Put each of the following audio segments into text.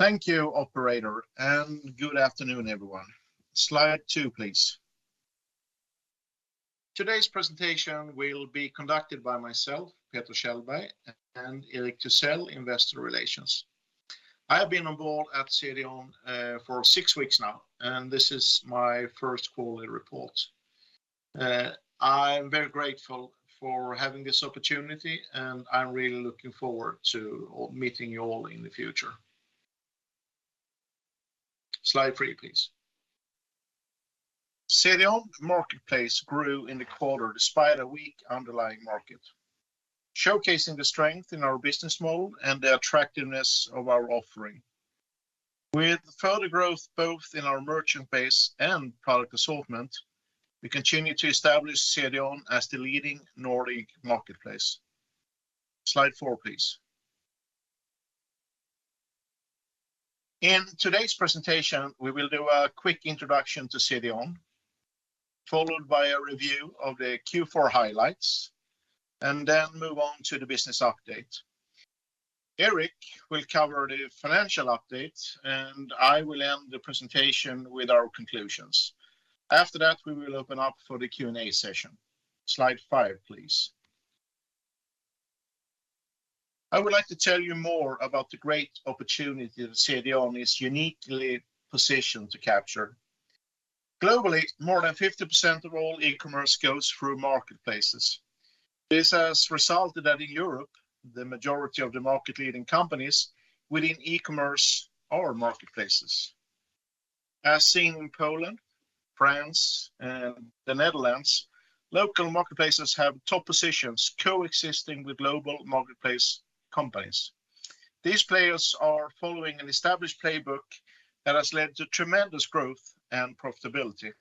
Thank you operator, and good afternoon everyone. Slide two, please. Today's presentation will be conducted by myself, Peter Kjellberg, and Eric Thysell, Investor Relations. I have been on board at CDON for six weeks now, and this is my first quarterly report. I'm very grateful for having this opportunity, and I'm really looking forward to meeting you all in the future. Slide three, please. CDON Marketplace grew in the quarter despite a weak underlying market, showcasing the strength in our business model and the attractiveness of our offering. With further growth both in our merchant base and product assortment, we continue to establish CDON as the leading Nordic marketplace. Slide four, please. In today's presentation, we will do a quick introduction to CDON, followed by a review of the Q4 highlights, and then move on to the business update. Eric will cover the financial update, and I will end the presentation with our conclusions. After that, we will open up for the Q&A session. Slide five, please. I would like to tell you more about the great opportunity that CDON is uniquely positioned to capture. Globally, more than 50% of all e-commerce goes through marketplaces. This has resulted that in Europe, the majority of the market leading companies within e-commerce are marketplaces. As seen in Poland, France and the Netherlands, local marketplaces have top positions coexisting with global marketplace companies. These players are following an established playbook that has led to tremendous growth and profitability.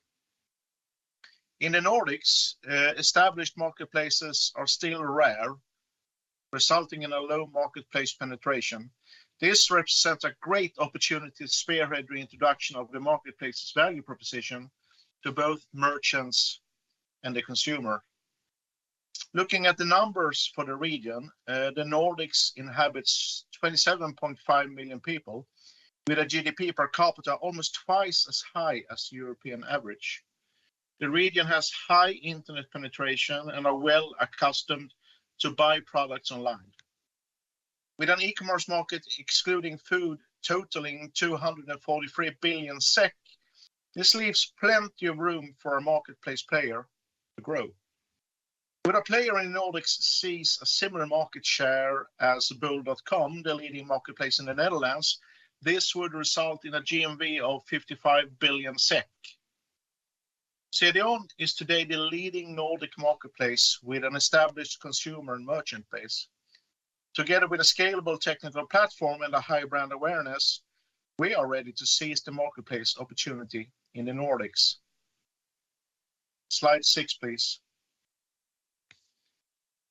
In the Nordics, established marketplaces are still rare, resulting in a low marketplace penetration. This represents a great opportunity to spearhead reintroduction of the marketplace's value proposition to both merchants and the consumer. Looking at the numbers for the region, the Nordics inhabits 27.5 million people with a GDP per capita almost twice as high as European average. The region has high internet penetration and are well accustomed to buy products online. With an e-commerce market excluding food totaling 243 billion SEK, this leaves plenty of room for a marketplace player to grow. Would a player in Nordics seize a similar market share as bol.com, the leading marketplace in the Netherlands, this would result in a GMV of 55 billion SEK. CDON is today the leading Nordic marketplace with an established consumer and merchant base. Together with a scalable technical platform and a high brand awareness, we are ready to seize the marketplace opportunity in the Nordics. Slide six, please.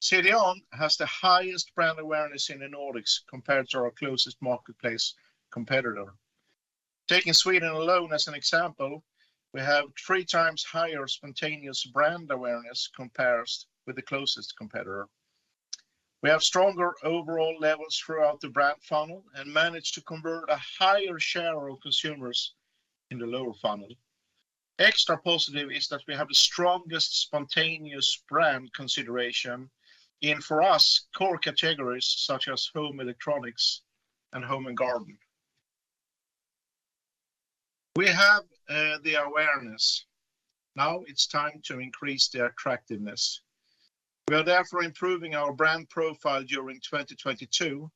CDON has the highest brand awareness in the Nordics compared to our closest marketplace competitor. Taking Sweden alone as an example, we have 3x higher spontaneous brand awareness compares with the closest competitor. We have stronger overall levels throughout the brand funnel and manage to convert a higher share of consumers in the lower funnel. Extra positive is that we have the strongest spontaneous brand consideration in, for us, core categories such as home electronics and home and garden. We have the awareness. Now it's time to increase the attractiveness. We are therefore improving our brand profile during 2022,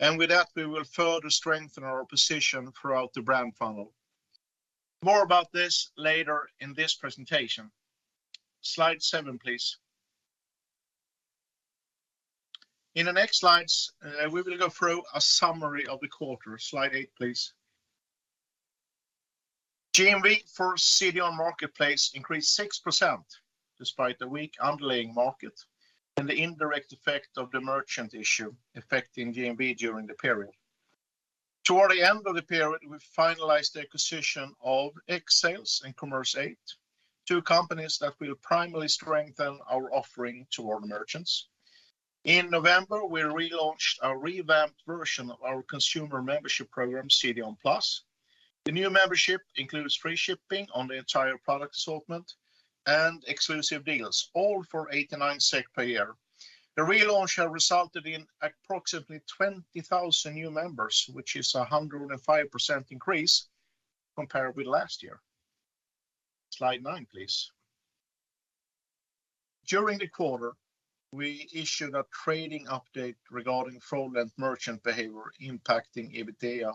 and with that, we will further strengthen our position throughout the brand funnel. More about this later in this presentation. Slide seven, please. In the next slides, we will go through a summary of the quarter. Slide eight, please. GMV for CDON Marketplace increased 6% despite the weak underlying market and the indirect effect of the merchant issue affecting GMV during the period. Toward the end of the period, we finalized the acquisition of Xales and Commerce8, two companies that will primarily strengthen our offering to our merchants. In November, we relaunched our revamped version of our consumer membership program, CDON+. The new membership includes free shipping on the entire product assortment and exclusive deals, all for 89 SEK per year. The relaunch has resulted in approximately 20,000 new members, which is 105% increase compared with last year. Slide nine, please. During the quarter, we issued a trading update regarding fraudulent merchant behavior impacting EBITDA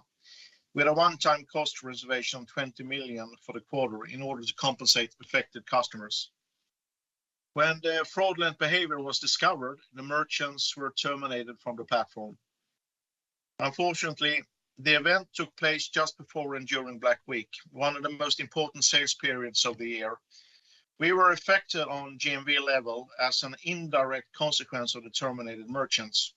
with a one-time cost reservation of 20 million for the quarter in order to compensate affected customers. When the fraudulent behavior was discovered, the merchants were terminated from the platform. Unfortunately, the event took place just before and during Black Week, one of the most important sales periods of the year. We were affected on GMV level as an indirect consequence of the terminated merchants.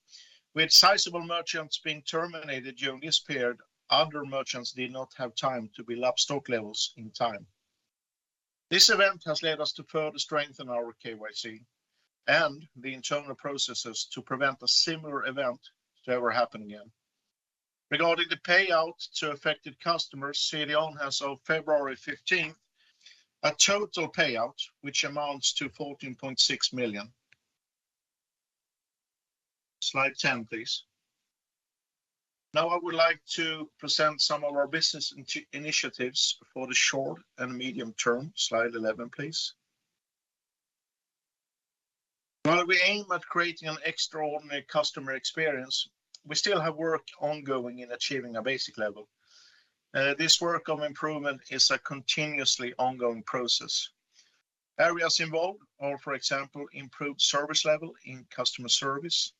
With sizable merchants being terminated during this period, other merchants did not have time to build up stock levels in time. This event has led us to further strengthen our KYC and the internal processes to prevent a similar event to ever happen again. Regarding the payout to affected customers, CDON has on February 15, a total payout which amounts to 14.6 million. Slide 10, please. Now I would like to present some of our business initiatives for the short and medium-term. Slide 11, please. While we aim at creating an extraordinary customer experience, we still have work ongoing in achieving a basic level. This work of improvement is a continuously ongoing process. Areas involved are, for example, improved service level in customer service,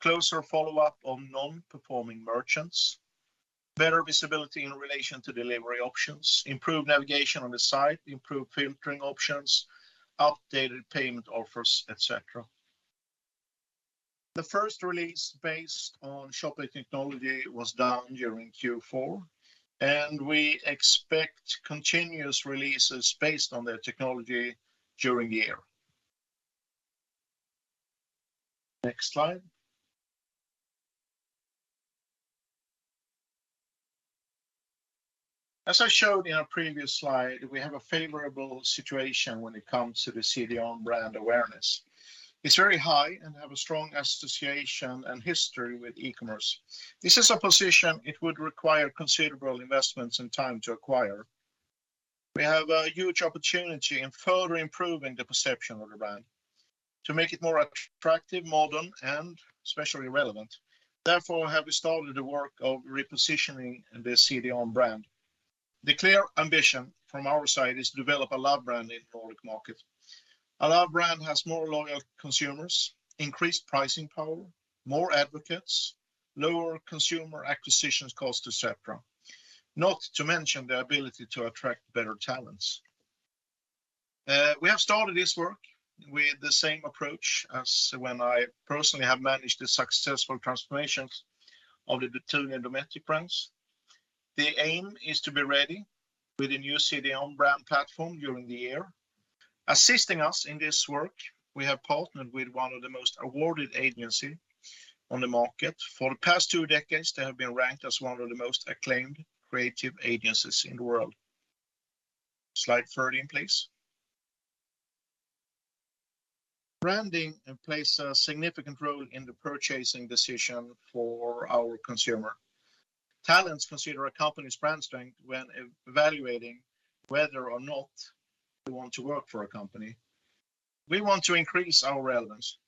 closer follow-up on non-performing merchants, better visibility in relation to delivery options, improved navigation on the site, improved filtering options, updated payment offers, etc. The first release based on Shopit technology was done during Q4, and we expect continuous releases based on their technology during the year. Next slide. As I showed in a previous slide, we have a favorable situation when it comes to the CDON brand awareness. It's very high and have a strong association and history with e-commerce. This is a position it would require considerable investments and time to acquire. We have a huge opportunity in further improving the perception of the brand to make it more attractive, modern, and especially relevant. Therefore have we started the work of repositioning the CDON brand. The clear ambition from our side is to develop a loved brand in the Nordic market. A loved brand has more loyal consumers, increased pricing power, more advocates, lower consumer acquisitions cost, etc. Not to mention the ability to attract better talents. We have started this work with the same approach as when I personally have managed the successful transformations of the Button and Dometic brands. The aim is to be ready with a new CDON brand platform during the year. Assisting us in this work, we have partnered with one of the most awarded agency on the market. For the past two decades, they have been ranked as one of the most acclaimed creative agencies in the world. Slide 13, please. Branding plays a significant role in the purchasing decision for our consumer. Talents consider a company's brand strength when evaluating whether or not they want to work for a company. We want to increase our relevance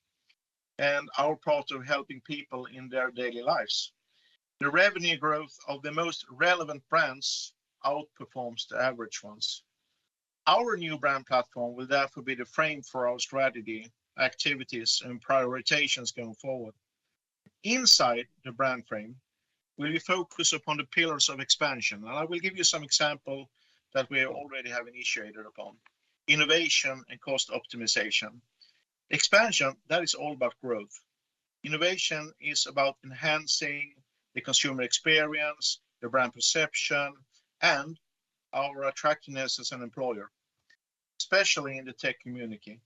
and our part of helping people in their daily lives. The revenue growth of the most relevant brands outperforms the average ones. Our new brand platform will therefore be the frame for our strategy, activities, and prioritizations going forward. Inside the brand frame, we focus upon the pillars of expansion. I will give you some example that we already have initiated upon, innovation and cost optimization. Expansion, that is all about growth. Innovation is about enhancing the consumer experience, the brand perception, and our attractiveness as an employer, especially in the tech community.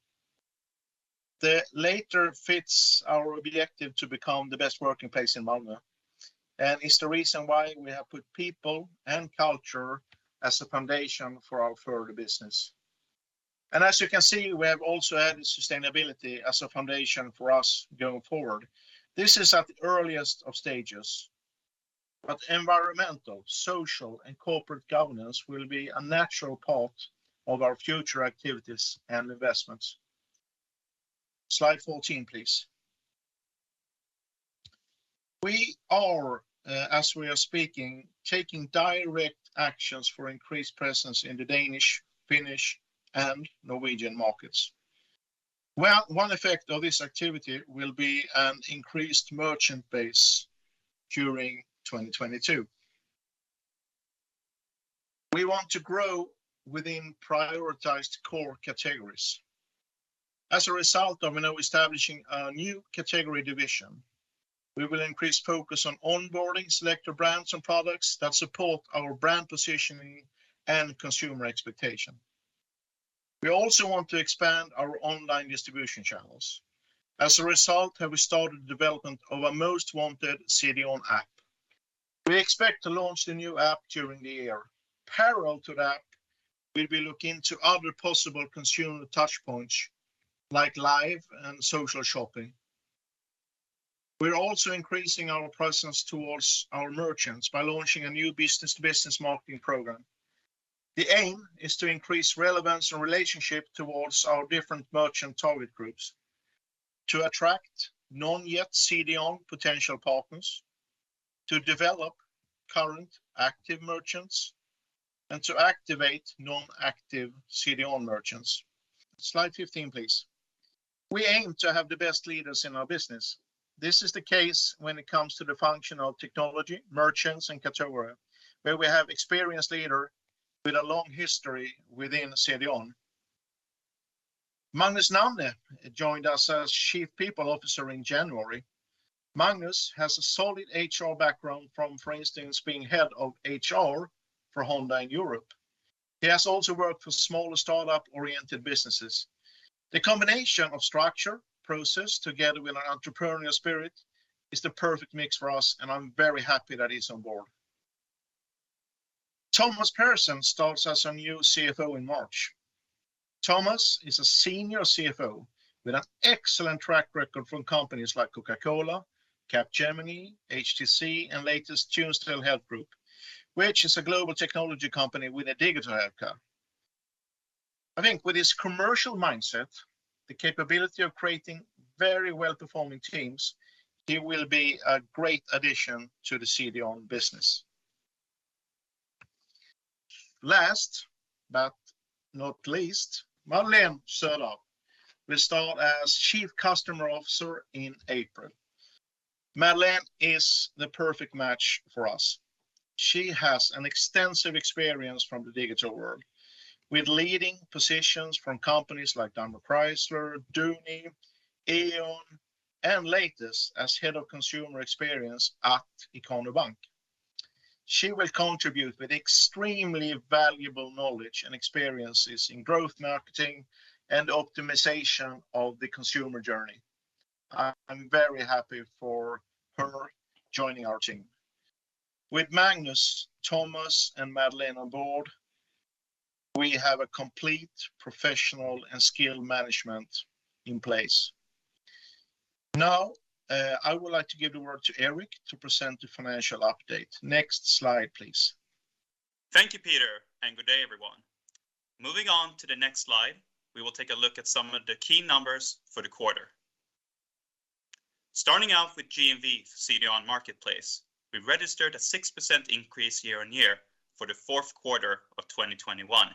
The latter fits our objective to become the best working place in Malmö, and it's the reason why we have put people and culture as a foundation for our further business. As you can see, we have also added sustainability as a foundation for us going forward. This is at the earliest of stages, but environmental, social, and corporate governance will be a natural part of our future activities and investments. Slide 14, please. We are, as we are speaking, taking direct actions for increased presence in the Danish, Finnish, and Norwegian markets. One effect of this activity will be an increased merchant base during 2022. We want to grow within prioritized core categories. As a result of, you know, establishing a new category division, we will increase focus on onboarding selected brands and products that support our brand positioning and consumer expectation. We also want to expand our online distribution channels. As a result have we started development of a most wanted CDON app. We expect to launch the new app during the year. Parallel to that, we'll be looking to other possible consumer touchpoints, like live and social shopping. We're also increasing our presence towards our merchants by launching a new business-to-business marketing program. The aim is to increase relevance and relationship towards our different merchant target groups, to attract non-yet-CDON potential partners, to develop current active merchants, and to activate non-active CDON merchants. Slide 15, please. We aim to have the best leaders in our business. This is the case when it comes to the function of technology, merchants, and category, where we have experienced leader with a long history within CDON. Magnus Nanne joined us as Chief People Officer in January. Magnus has a solid HR background from, for instance, being head of HR for Honda in Europe. He has also worked for smaller startup-oriented businesses. The combination of structure, process, together with an entrepreneurial spirit is the perfect mix for us, and I'm very happy that he's on board. Thomas Pehrsson starts as our new CFO in March. Thomas Pehrsson is a senior CFO with an excellent track record from companies like Coca-Cola, Capgemini, HTC, and latest Tunstall Health Group, which is a global technology company with a digital healthcare. I think with his commercial mindset, the capability of creating very well-performing teams, he will be a great addition to the CDON business. Last but not least, Madeleine Söder will start as Chief Customer Officer in April. Madeleine is the perfect match for us. She has an extensive experience from the digital world with leading positions from companies like DaimlerChrysler, Duni, E.ON, and latest as head of consumer experience at Ikano Bank. She will contribute with extremely valuable knowledge and experiences in growth marketing and optimization of the consumer journey. I'm very happy for her joining our team. With Magnus, Thomas, and Madeleine on board, we have a complete professional and skilled management in place. Now, I would like to give the word to Eric to present the financial update. Next slide, please. Thank you, Peter, and good day, everyone. Moving on to the next slide, we will take a look at some of the key numbers for the quarter. Starting out with GMV for CDON Marketplace, we registered a 6% increase year-on-year for the fourth quarter of 2021,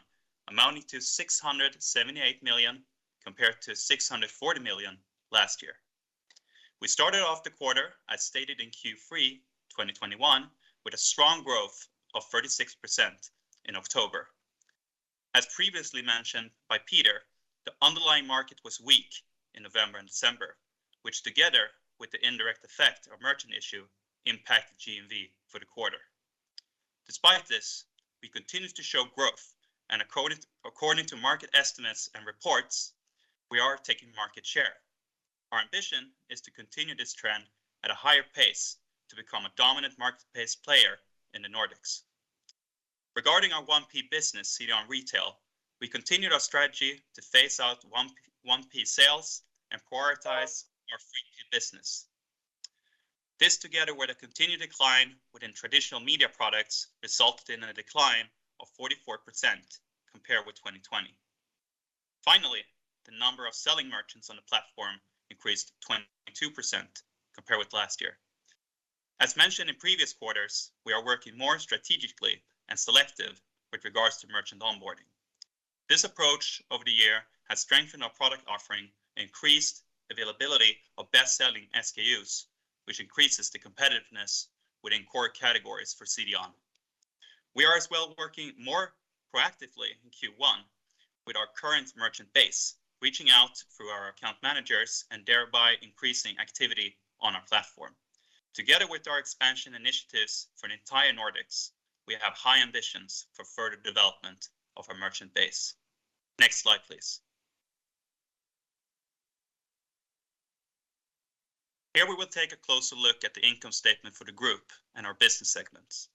amounting to 678 million compared to 640 million last year. We started off the quarter as stated in Q3 2021 with a strong growth of 36% in October. As previously mentioned by Peter, the underlying market was weak in November and December, which together with the indirect effect of merchant issue impacted GMV for the quarter. Despite this, we continued to show growth and according to market estimates and reports, we are taking market share. Our ambition is to continue this trend at a higher pace to become a dominant marketplace player in the Nordics. Regarding our 1P business, CDON Retail, we continued our strategy to phase out 1P sales and prioritize our 3P business. This together with a continued decline within traditional media products resulted in a decline of 44% compared with 2020. Finally, the number of selling merchants on the platform increased 22% compared with last year. As mentioned in previous quarters, we are working more strategically and selective with regards to merchant onboarding. This approach over the year has strengthened our product offering, increased availability of best-selling SKUs, which increases the competitiveness within core categories for CDON. We are as well working more proactively in Q1 with our current merchant base, reaching out through our account managers and thereby increasing activity on our platform. Together with our expansion initiatives for the entire Nordics, we have high ambitions for further development of our merchant base. Next slide, please. Here we will take a closer look at the income statement for the group and our business segments.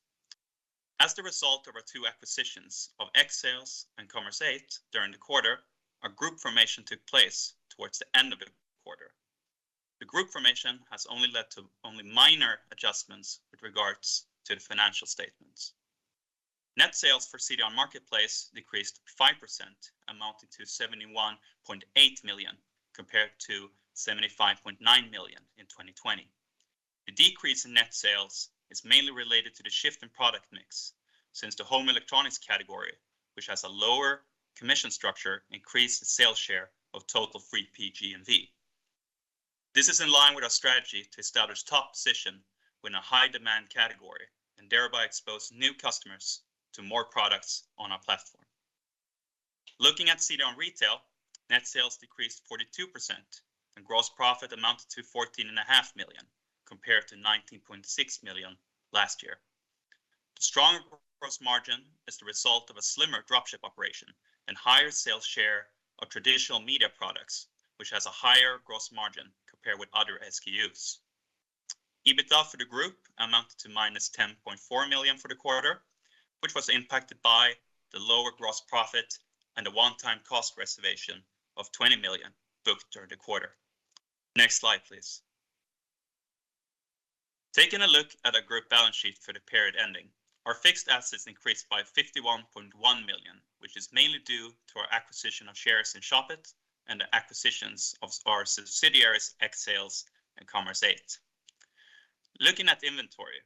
As a result of our two acquisitions of Xales and Commerce8 during the quarter, our group formation took place towards the end of the quarter. The group formation has only led to minor adjustments with regard to the financial statements. Net sales for CDON Marketplace decreased 5%, amounting to 71.8 million compared to 75.9 million in 2020. The decrease in net sales is mainly related to the shift in product mix since the home electronics category, which has a lower commission structure, increased the sales share of total 3PGMV. This is in line with our strategy to establish top position within a high-demand category and thereby expose new customers to more products on our platform. Looking at CDON Retail, net sales decreased 42% and gross profit amounted to 14.5 million compared to 19.6 million last year. The strong gross margin is the result of a slimmer dropship operation and higher sales share of traditional media products, which has a higher gross margin compared with other SKUs. EBITA for the group amounted to -10.4 million for the quarter, which was impacted by the lower gross profit and a one-time cost reservation of 20 million booked during the quarter. Next slide, please. Taking a look at our group balance sheet for the period ending, our fixed assets increased by 51.1 million, which is mainly due to our acquisition of shares in Shopit and the acquisitions of our subsidiaries, Xales and Commerce8. Looking at inventory,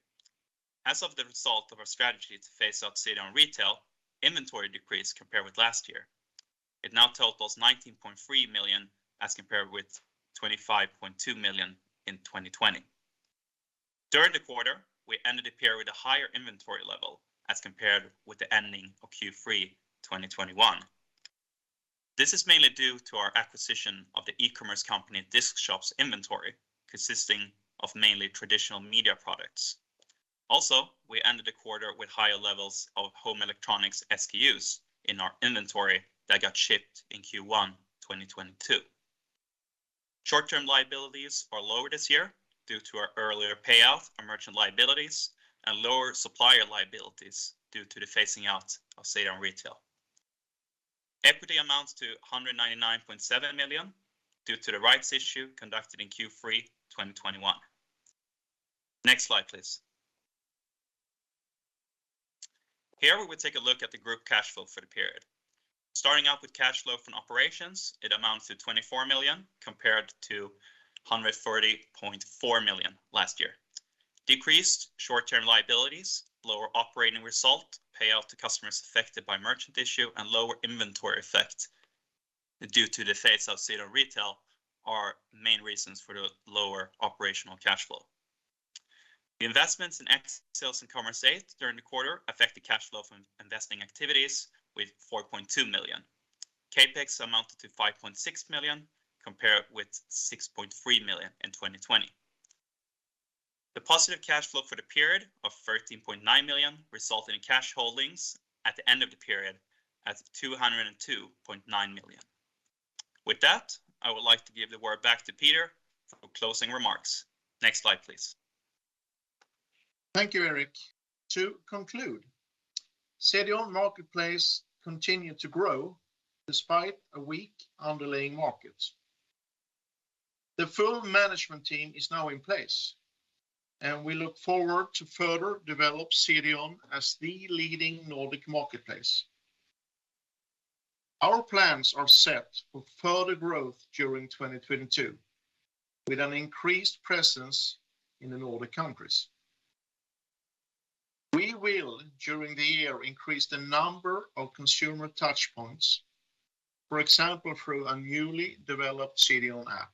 as a result of our strategy to phase out CDON Retail, inventory decreased compared with last year. It now totals 19.3 million as compared with 25.2 million in 2020. During the quarter, we ended the period with a higher inventory level as compared with the ending of Q3 2021. This is mainly due to our acquisition of the e-commerce company Discshop's inventory consisting of mainly traditional media products. Also, we ended the quarter with higher levels of home electronics SKUs in our inventory that got shipped in Q1 2022. Short-term liabilities are lower this year due to our earlier payoff on merchant liabilities and lower supplier liabilities due to the phasing out of CDON Retail. Equity amounts to 199.7 million due to the rights issue conducted in Q3 2021. Next slide, please. Here we will take a look at the group cash flow for the period. Starting out with cash flow from operations, it amounts to 24 million compared to 140.4 million last year. Decreased short-term liabilities, lower operating result, payout to customers affected by merchant issue, and lower inventory effect due to the phase out of CDON Retail are main reasons for the lower operational cash flow. The investments in Xales and Commerce8 during the quarter affected cash flow from investing activities with 4.2 million. CapEx amounted to 5.6 million compared with 6.3 million in 2020. The positive cash flow for the period of 13.9 million resulted in cash holdings at the end of the period at 202.9 million. With that, I would like to give the word back to Peter for closing remarks. Next slide, please. Thank you, Eric. To conclude, CDON Marketplace continued to grow despite a weak underlying market. The full management team is now in place, and we look forward to further develop CDON as the leading Nordic marketplace. Our plans are set for further growth during 2022 with an increased presence in the Nordic countries. We will, during the year, increase the number of consumer touchpoints, for example, through a newly developed CDON app.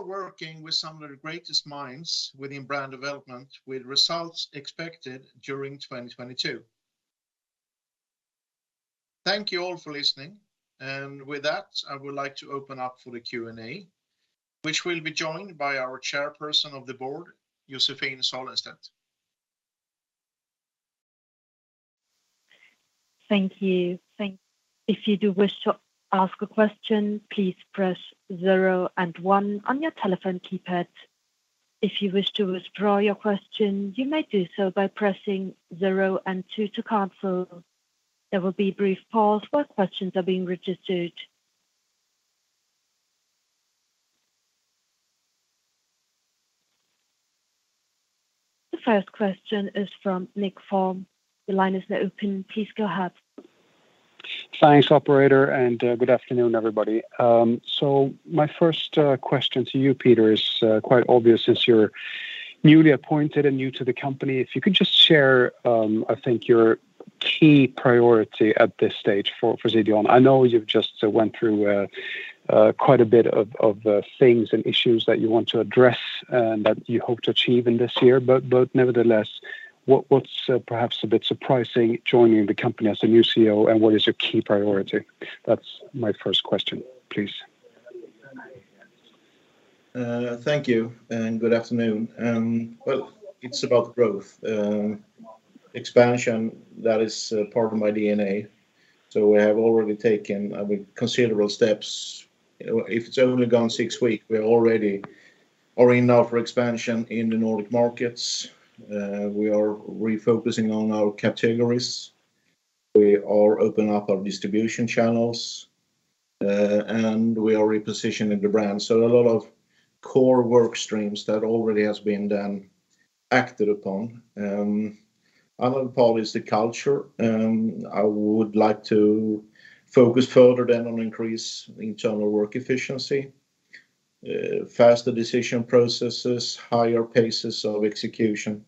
We are working with some of the greatest minds within brand development, with results expected during 2022. Thank you all for listening. With that, I would like to open up for the Q&A, which will be joined by our Chairperson of the Board, Josephine Salenstedt. Thank you. If you do wish to ask a question, please press zero and one on your telephone keypad. If you wish to withdraw your question, you may do so by pressing zero and two to cancel. There will be a brief pause while questions are being registered. The first question is from Nicklas Fhärm. The line is now open. Please go ahead. Thanks, operator, and good afternoon, everybody. My first question to you, Peter, is quite obvious since you're newly appointed and new to the company. If you could just share, I think your key priority at this stage for CDON. I know you've just went through quite a bit of things and issues that you want to address and that you hope to achieve in this year. Nevertheless, what's perhaps a bit surprising joining the company as a new CEO, and what is your key priority? That's my first question, please. Thank you and good afternoon. Well, it's about growth. Expansion, that is, part of my DNA. We have already taken, I think, considerable steps. If it's only been six weeks, we already are now in for expansion in the Nordic markets. We are refocusing on our categories. We are opening up our distribution channels, and we are repositioning the brand. A lot of core work streams that already have been done, acted upon. Another part is the culture. I would like to focus further on increasing internal work efficiency, faster decision processes, higher pace of execution.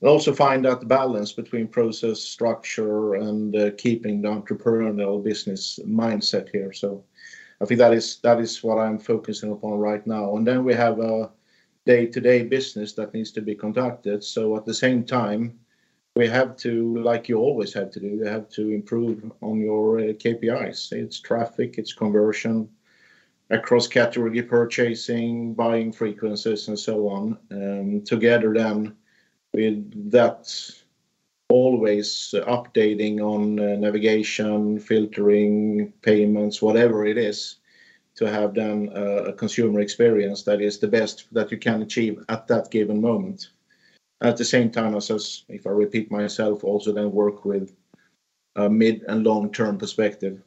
We also find that balance between process, structure, and keeping the entrepreneurial business mindset here. I think that is what I'm focusing upon right now. Then we have a day-to-day business that needs to be conducted. At the same time, we have to, like you always have to do, you have to improve on your KPIs. It's traffic, it's conversion across category purchasing, buying frequencies, and so on, together then with that always updating on navigation, filtering, payments, whatever it is, to have then a consumer experience that is the best that you can achieve at that given moment. At the same time, if I repeat myself, also then work with a mid and long-term perspective.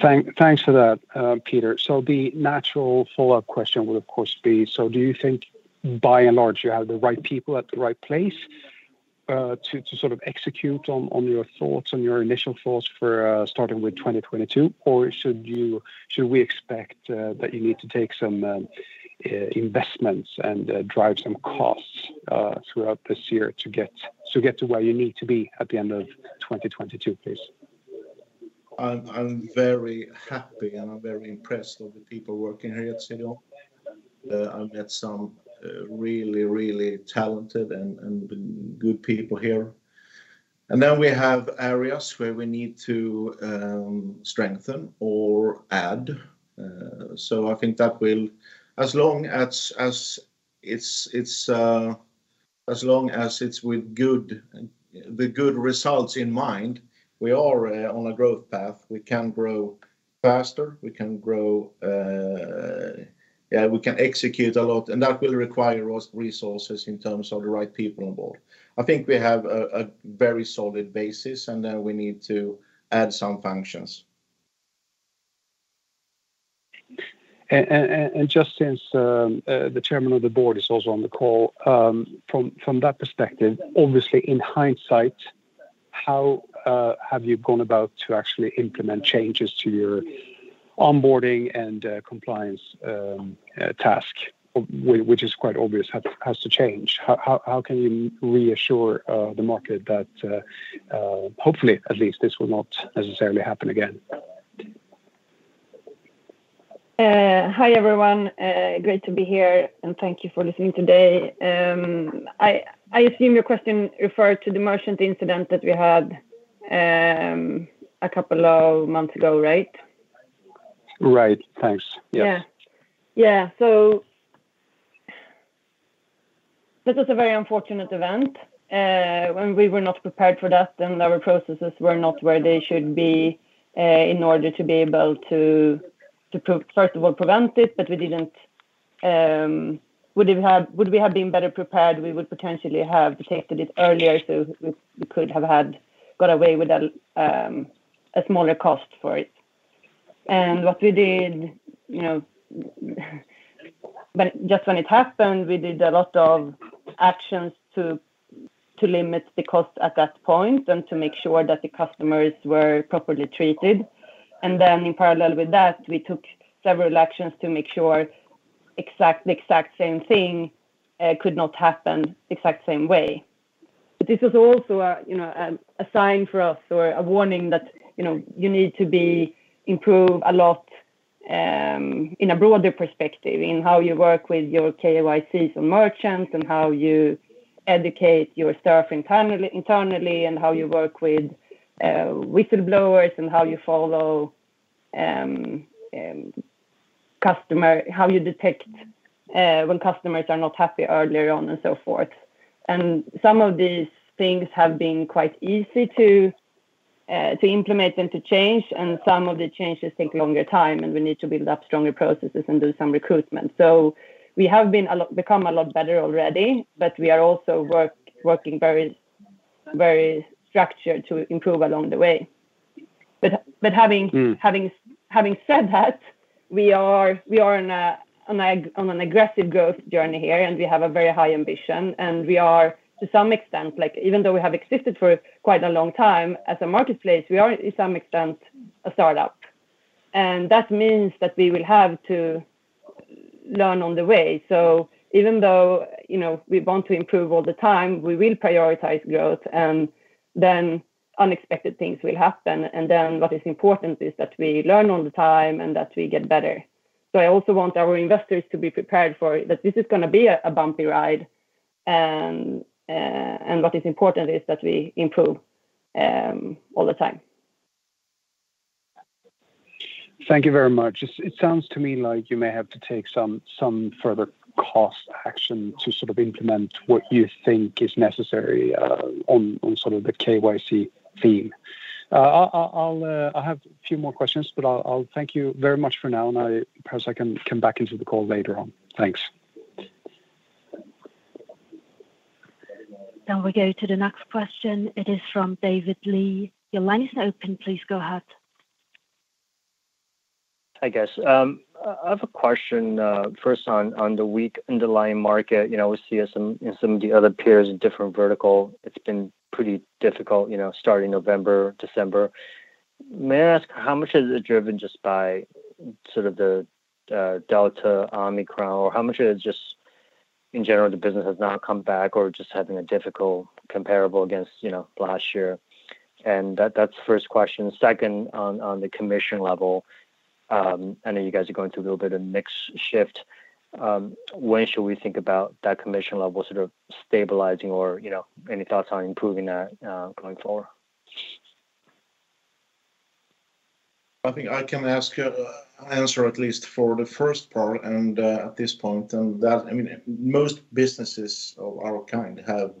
Thanks for that, Peter. The natural follow-up question would of course be, do you think by and large you have the right people at the right place to sort of execute on your thoughts, on your initial thoughts for starting with 2022 or should we expect that you need to take some investments and drive some costs throughout this year to get to where you need to be at the end of 2022, please? I'm very happy and I'm very impressed of the people working here at CDON. I've met some really talented and good people here. We have areas where we need to strengthen or add. I think as long as it's with the good results in mind, we are on a growth path. We can grow faster, we can execute a lot, and that will require resources in terms of the right people on board. I think we have a very solid basis, and we need to add some functions. Just since the Chairman of the Board is also on the call, from that perspective, obviously in hindsight, how have you gone about to actually implement changes to your onboarding and compliance task, which is quite obvious has to change. How can you reassure the market that hopefully at least this will not necessarily happen again? Hi, everyone. Great to be here, and thank you for listening today. I assume your question referred to the merchant incident that we had a couple of months ago, right? Right. Thanks. Yes. This was a very unfortunate event. When we were not prepared for that, then our processes were not where they should be, in order to be able to first of all prevent it, but we didn't. Would we have been better prepared, we would potentially have detected it earlier, so we could have got away with a smaller cost for it. What we did, you know, just when it happened, we did a lot of actions to limit the cost at that point and to make sure that the customers were properly treated. In parallel with that, we took several actions to make sure the exact same thing could not happen exact same way. This was also, you know, a sign for us or a warning that, you know, you need to improve a lot in a broader perspective in how you work with your KYCs and merchants and how you educate your staff internally and how you work with whistleblowers and how you detect when customers are not happy earlier on and so forth. Some of these things have been quite easy to implement and to change, and some of the changes take longer time, and we need to build up stronger processes and do some recruitment. We have become a lot better already, but we are also working very structured to improve along the way. Having said that, we are on an aggressive growth journey here, and we have a very high ambition, and we are to some extent, like even though we have existed for quite a long time as a marketplace, we are to some extent a startup. That means that we will have to learn on the way. Even though, you know, we want to improve all the time, we will prioritize growth, and then unexpected things will happen. Then what is important is that we learn all the time and that we get better. I also want our investors to be prepared for that this is going to be a bumpy ride, and what is important is that we improve all the time. Thank you very much. It sounds to me like you may have to take some further cost action to sort of implement what you think is necessary on sort of the KYC theme. I have a few more questions, but I'll thank you very much for now, and perhaps I can come back into the call later on. Thanks. Now we go to the next question. It is from David Li. Your line is open. Please go ahead. Hi, guys. I have a question, first on the weak underlying market. You know, we see some in some of the other peers in different vertical. It's been pretty difficult, you know, starting November, December. May I ask how much is it driven just by sort of the Delta, Omicron, or how much is just in general the business has not come back or just having a difficult comparable against, you know, last year? That's the first question. Second, on the commission level, I know you guys are going through a little bit of mix shift. When should we think about that commission level sort of stabilizing or, you know, any thoughts on improving that going forward? I think I can answer at least for the first part and at this point. I mean, most businesses of our kind have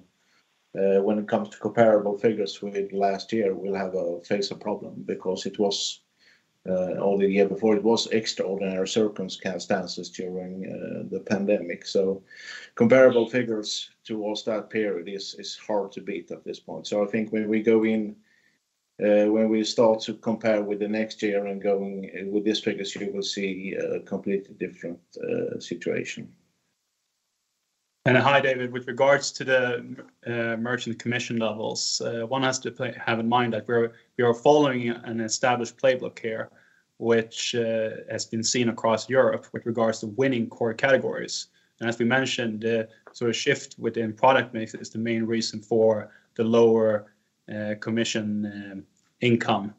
when it comes to comparable figures with last year we'll face a problem because it was only the year before it was extraordinary circumstances during the pandemic. Comparable figures towards that period is hard to beat at this point. I think when we start to compare with the next year and going with this figure so you will see a completely different situation. Hi, David. With regards to the merchant commission levels, one has to have in mind that we are following an established playbook here, which has been seen across Europe with regards to winning core categories. As we mentioned, so a shift within product mix is the main reason for the lower commission income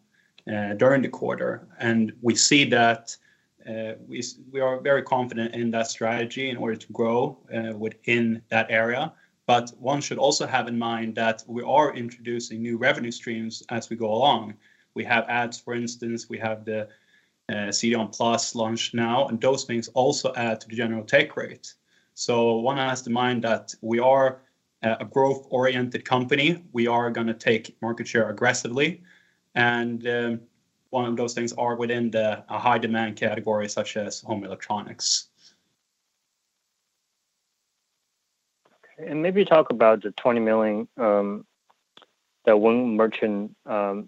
during the quarter, and we see that we are very confident in that strategy in order to grow within that area. One should also have in mind that we are introducing new revenue streams as we go along. We have ads, for instance, we have the CDON+ launch now, and those things also add to the general take rate. One has to mind that we are a growth-oriented company. We are going to take market share aggressively, and one of those things are within the high demand category, such as home electronics. Okay. Maybe talk about the 20 million that one merchant. I'm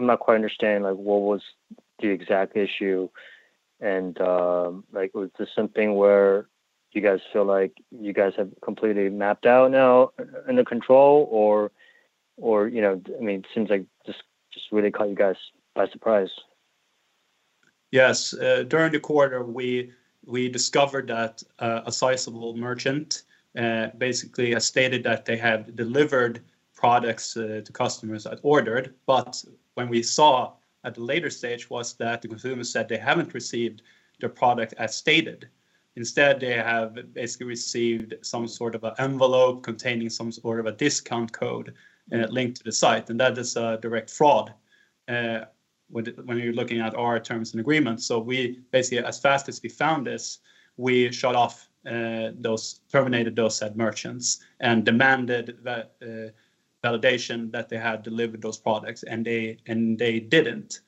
not quite understanding, like, what was the exact issue, and, like, was this something where you guys feel like you guys have completely mapped out now under control or, you know, I mean, it seems like just really caught you guys by surprise. Yes. During the quarter, we discovered that a sizable merchant basically stated that they had delivered products to customers that ordered, but when we saw at the later stage was that the consumers said they haven't received their product as stated. Instead, they have basically received some sort of an envelope containing some sort of a discount code linked to the site, and that is a direct fraud when you're looking at our terms and agreements. We basically, as fast as we found this, we terminated those said merchants and demanded that validation that they had delivered those products, and they didn't.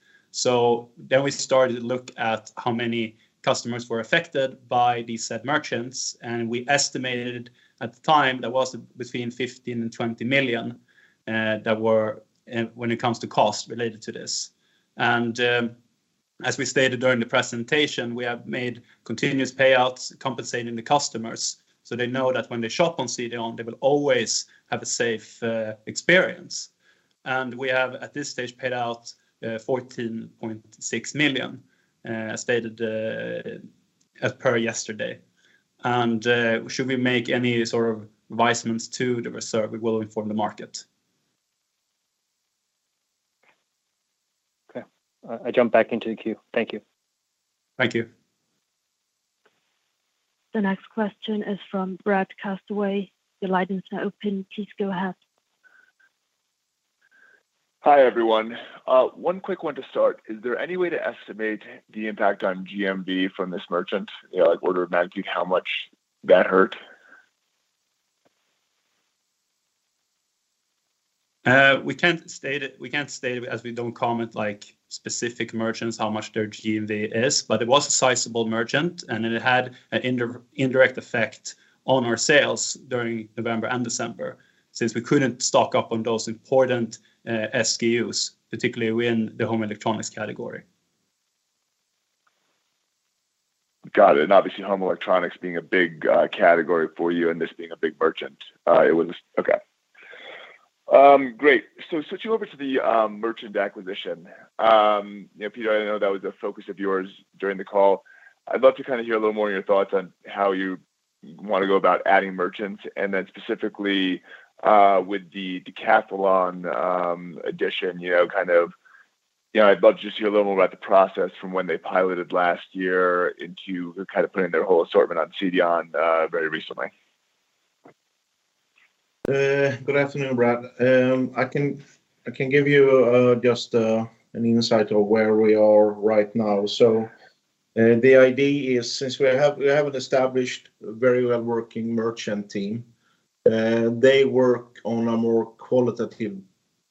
We started to look at how many customers were affected by these said merchants, and we estimated at the time there was between 15 millio and 20 million that were when it comes to cost related to this. As we stated during the presentation, we have made continuous payouts compensating the customers, so they know that when they shop on CDON, they will always have a safe experience. We have, at this stage, paid out 14.6 million as stated as per yesterday. Should we make any sort of advancements to the reserve, we will inform the market. Okay. I jump back into the queue. Thank you. Thank you. The next question is from Brad Hathaway, your lines are open. Please go ahead. Hi, everyone. One quick one to start. Is there any way to estimate the impact on GMV from this merchant? You know, like order of magnitude, how much that hurt? We can't state it as we don't comment, like, specific merchants, how much their GMV is, but it was a sizable merchant, and it had an indirect effect on our sales during November and December, since we couldn't stock up on those important SKUs, particularly within the home electronics category. Got it. Obviously, home electronics being a big category for you and this being a big merchant. Great. Switching over to the merchant acquisition. You know, Peter, I know that was a focus of yours during the call. I'd love to kind of hear a little more of your thoughts on how you want to go about adding merchants, and then specifically, with the Decathlon addition, you know, kind of, you know, I'd love to just hear a little more about the process from when they piloted last year into kind of putting their whole assortment on CDON, very recently. Good afternoon, Brad. I can give you just an insight of where we are right now. The idea is since we have an established, very well-working merchant team, they work on a more qualitative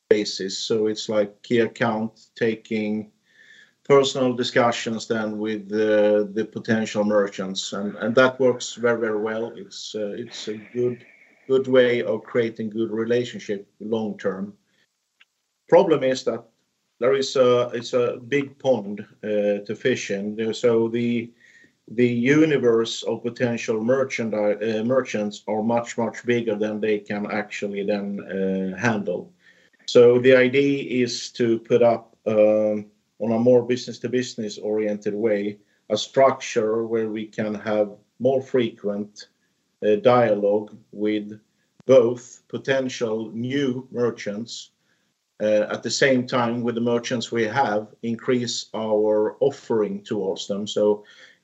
basis. It's like key account taking personal discussions then with the potential merchants and that works very well. It's a good way of creating good relationship long-term. Problem is that there is a big pond to fish in. The universe of potential merchants are much bigger than they can actually then handle. The idea is to put up on a more business-to-business-oriented way a structure where we can have more frequent dialogue with both potential new merchants, at the same time, with the merchants we have, increase our offering towards them.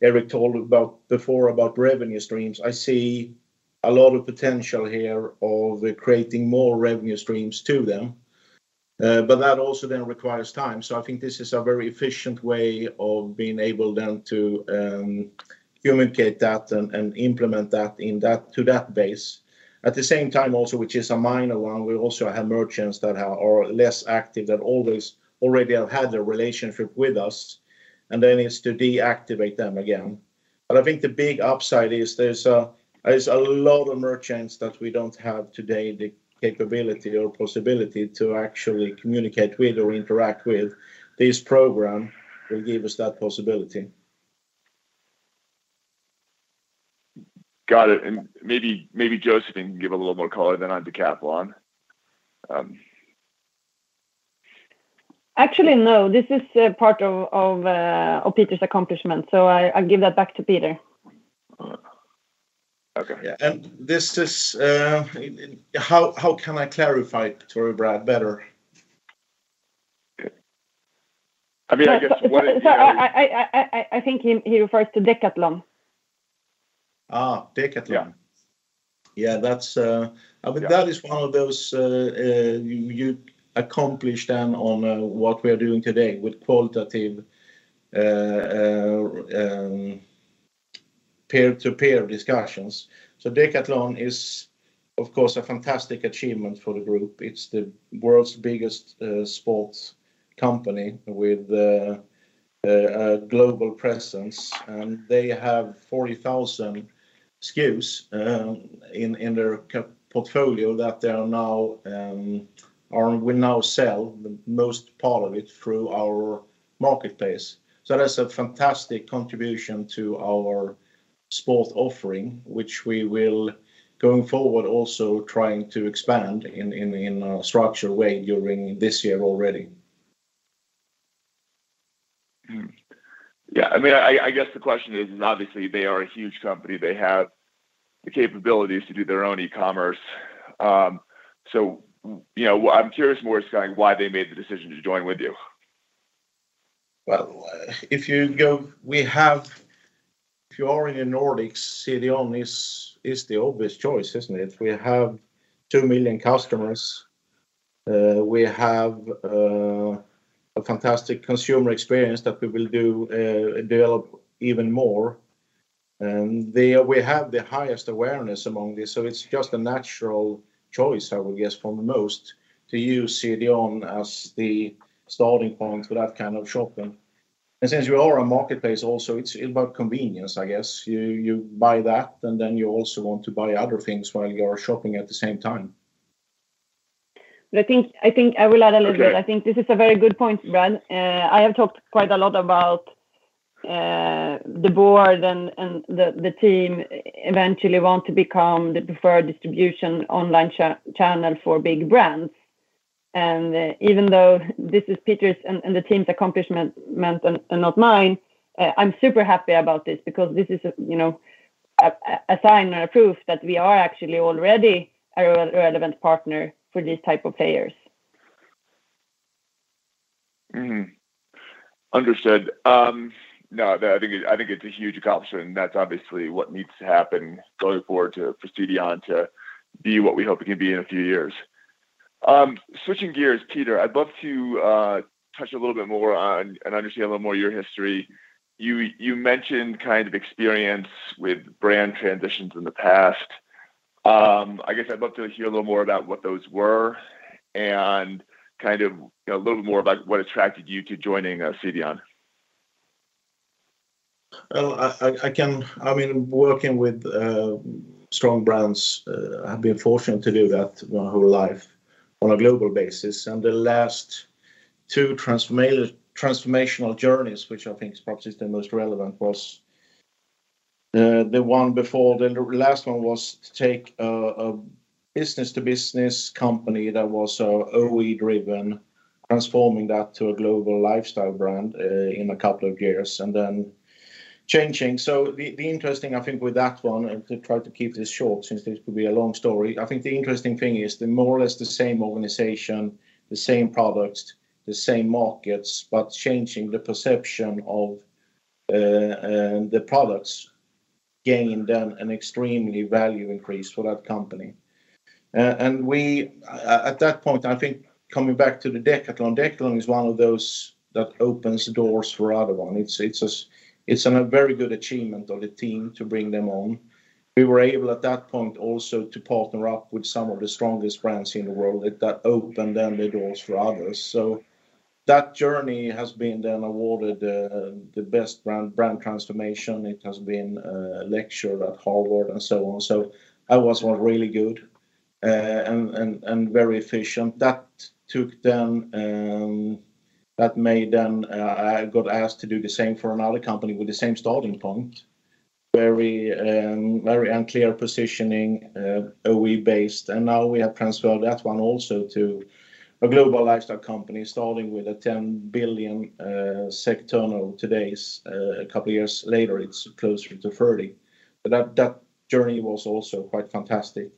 Eric told about before about revenue streams. I see a lot of potential here of creating more revenue streams to them. That also then requires time. I think this is a very efficient way of being able then to communicate that and implement that to that base. At the same time also, which is a minor one, we also have merchants that are less active that already have had a relationship with us, and the idea is to deactivate them again. I think the big upside is there's a lot of merchants that we don't have today the capability or possibility to actually communicate with or interact with. This program will give us that possibility. Got it. Maybe Josephine can give a little more color than on Decathlon. Actually, no, this is part of Peter's accomplishment, so I give that back to Peter. Okay. How can I clarify it for you, Brad, better? Sorry, I think he refers to Decathlon. Decathlon. Yeah, that is one of those accomplishments on what we're doing today with qualitative peer-to-peer discussions. Decathlon is, of course, a fantastic achievement for the group. It's the world's biggest sports company with a global presence, and they have 40,000 SKUs in their portfolio that we now sell the most part of it through our marketplace. That's a fantastic contribution to our sport offering, which we will, going forward, also trying to expand in a structural way during this year already. Yeah, I mean, I guess the question is obviously they are a huge company. They have the capabilities to do their own e-commerce. You know, I'm curious more as to why they made the decision to join with you. If you are in the Nordics, CDON is the obvious choice, isn't it? We have 2 million customers. We have a fantastic consumer experience that we will develop even more. We have the highest awareness among this, so it's just a natural choice, I would guess, for most to use CDON as the starting point for that kind of shopping. Since we are a marketplace also, it's about convenience, I guess. You buy that, and then you also want to buy other things while you're shopping at the same time. I will add a little bit. I think this is a very good point, Brad. I have talked quite a lot about the board and the team eventually want to become the preferred distribution online channel for big brands. Even though this is Peter's and the team's accomplishment and not mine, I'm super happy about this because this is a, you know, a sign or proof that we are actually already a relevant partner for these type of players. Understood. No, I think it's a huge accomplishment, and that's obviously what needs to happen going forward to for CDON to be what we hope it can be in a few years. Switching gears, Peter, I'd love to touch a little bit more on and understand a little more your history. You mentioned kind of experience with brand transitions in the past. I guess I'd love to hear a little more about what those were and kind of, you know, a little more about what attracted you to joining CDON. Well, I mean, working with strong brands, I've been fortunate to do that my whole life on a global basis. The last two transformational journeys, which I think perhaps is the most relevant, was the one before the last one was to take a business-to-business company that was OEM-driven, transforming that to a global lifestyle brand in a couple of years, and then changing. The interesting, I think, with that one, and to try to keep this short since this could be a long story, I think the interesting thing is the more or less the same organization, the same products, the same markets, but changing the perception of the products gained them an extremely value increase for that company. We, at that point, I think coming back to the Decathlon. Decathlon is one of those that opens doors for other one. It's a very good achievement of the team to bring them on. We were able at that point also to partner up with some of the strongest brands in the world. That opened then the doors for others. That journey has been then awarded the best brand transformation. It has been lectured at Harvard and so on. That was really good and very efficient. That made then I got asked to do the same for another company with the same starting point. Very unclear positioning, OEM-based, and now we have transformed that one also to a global lifestyle company starting with a 10 billion SEK turnover, a couple of years later, it's closer to 30 billion. That journey was also quite fantastic.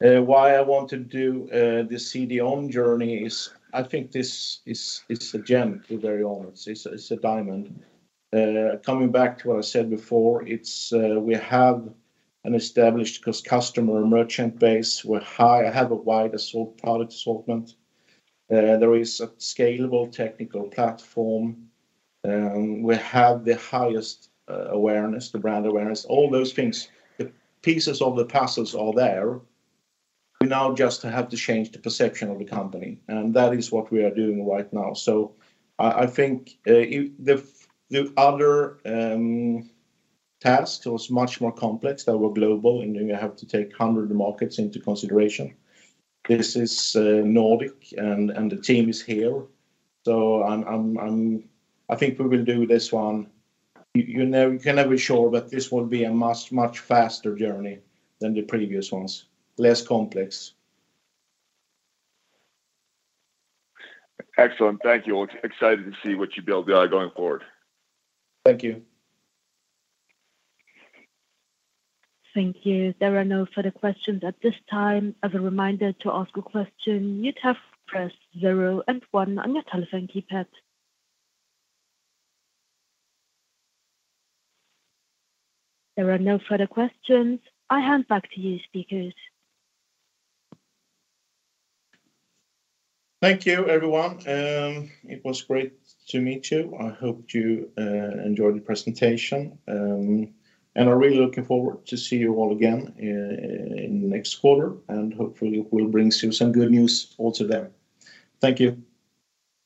Why I want to do this CDON journey is I think this is a gem, to be very honest. It's a diamond. Coming back to what I said before, we have an established customer merchant base. We have a wide product assortment. There is a scalable technical platform. We have the highest brand awareness, all those things. The pieces of the puzzle are there. We now just have to change the perception of the company, and that is what we are doing right now. I think if the other task was much more complex, that were global, and you have to take 100 markets into consideration. This is Nordic, and the team is here. I think we will do this one. You can never be sure, but this will be a much faster journey than the previous ones. Less complex. Excellent. Thank you. Well, excited to see what you build there going forward. Thank you. Thank you. There are no further questions at this time. As a reminder to ask a question, you'd have pressed zero and one on your telephone keypad. There are no further questions. I hand back to you speakers. Thank you, everyone. It was great to meet you. I hope you enjoyed the presentation, and are really looking forward to see you all again in next quarter, and hopefully, we'll bring you some good news also then. Thank you.